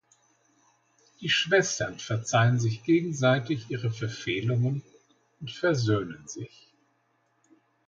Die Schwestern verzeihen sich gegenseitig ihre Verfehlungen und versöhnen sich.